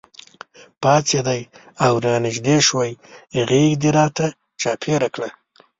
پاڅېدې او رانږدې شوې غېږ دې راته چاپېره کړه.